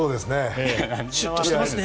シュッとしてますね。